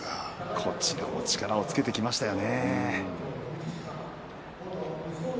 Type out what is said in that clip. こちらも力をつけてきましたよね。